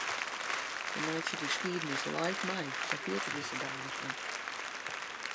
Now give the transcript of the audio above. Wy meitsje de skiednis live mei, sa fielt it dizze dagen soms.